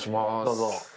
どうぞ。